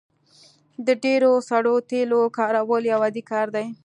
د ډیرو سړو تیلو کارول یو عادي کار دی